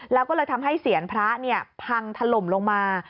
แล้วก็เลยทำให้เสียนพระพังถล่มลงมา